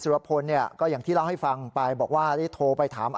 รพลเนี่ยก็อย่างที่เล่าให้ฟังไปบอกว่าได้โทรไปถาม